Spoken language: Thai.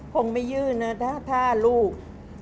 คงไม่ยื่นนะถ้าลูก